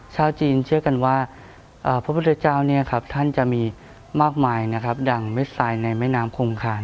ชาวจีนเชื่อกันว่าพระพุทธเจ้าท่านจะมีมากมายนะครับดังเม็ดทรายในแม่น้ำคงคาน